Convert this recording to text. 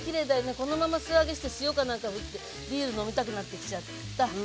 このまま素揚げして塩かなんかふってビール飲みたくなってきちゃった。